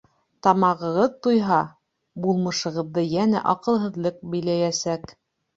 Тамағығыҙ туйһа, булмышығыҙҙы йәнә аҡылһыҙлыҡ биләйәсәк.